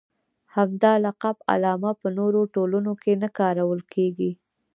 همدا لقب علامه په نورو ټولنو کې نه کارول کېږي.